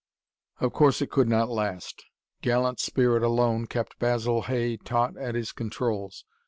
Of course it could not last. Gallant spirit alone kept Basil Hay taut at his controls.